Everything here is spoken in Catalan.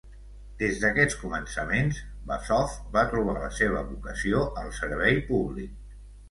Des d'aquests començaments, Bazhov va trobar la seva vocació al servei públic.